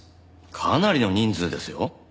かなりの人数ですよ。